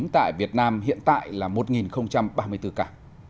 tại việt nam hiện tại là một ba mươi bốn ca